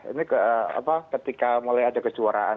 ini ketika mulai ada kejuaraan